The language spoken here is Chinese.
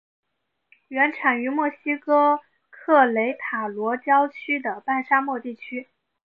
原产于墨西哥克雷塔罗郊区的半沙漠地区。